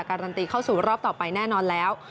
การันตีเข้าสู่รอบต่อไปแน่นอนแล้ว